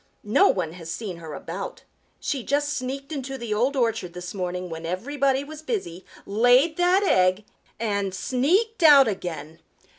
No one has seen her about. She just sneaked into the Old Orchard this morning when everybody was busy, laid that egg and sneaked out again."